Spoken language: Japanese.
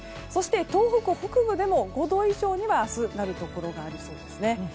そして東北北部でも５度以上には明日なるところがありそうですね。